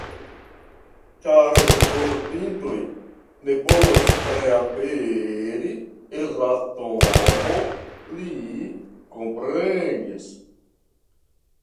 Ĉar mortintoj ne povas reaperi el la tombo, li komprenis.